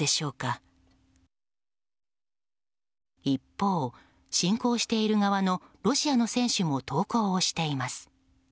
一方、侵攻している側のロシアの選手も投稿をしています。